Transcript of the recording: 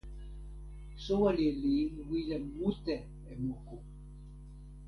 soweli li wile mute e moku.